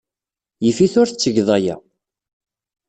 Yif-it ur tettgeḍ aya!